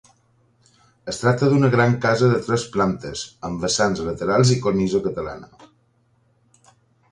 Es tracta d’una gran casa de tres plantes, amb vessants a laterals i cornisa catalana.